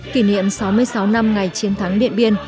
kỷ niệm sáu mươi sáu năm ngày chiến thắng điện biên